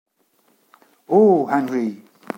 Oh Henry!